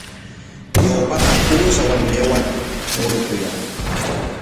Ñawpaqa uusha wanuwanllam murukuyaq.